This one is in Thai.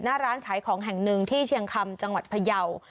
หน้าร้านขายของแห่งหนึ่งที่เชียงคำจังหวัดพยาว